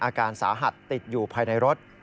อาการสาหัสติดอยู่ภายในรถ